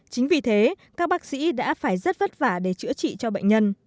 chính vì thế các bác sĩ đã phải rất vất vả để chữa trị cho bệnh nhân